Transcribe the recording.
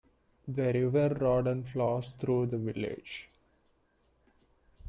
The River Roden flows through the village.